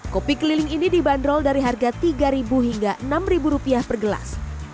kopi keliling ini dibanderol dari harga tiga ribu hingga enam ribu rupiah per gelas